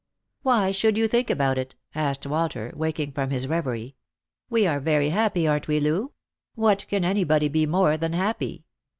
"Why should you think about it?" asked Walter, waking from his reverie. " We are very happy, aren't we, Loo ? What can anybody be more than happy